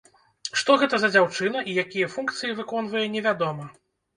Што гэта за дзяўчына і якія функцыі выконвае невядома.